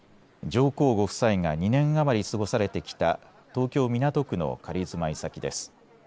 上皇ご夫妻が２年余り過ごされてきた東京港区の仮住まい先です。